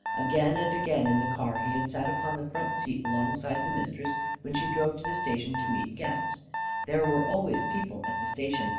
Again and again, in the car, he had sat upon the front seat alongside the Mistress when she drove to the station to meet guests. There were always people at the station.